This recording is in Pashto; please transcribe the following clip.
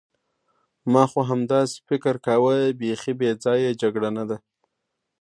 ما خو همداسې فکر کاوه، بیخي بې ځایه جګړه نه ده.